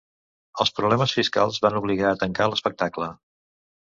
Els problemes fiscals van obligar a tancar l'espectacle.